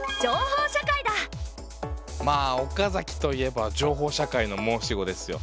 まぁ岡崎といえば情報社会の申し子ですよ。